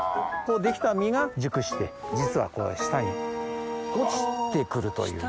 できた実が熟して実は下に落ちて来るというね。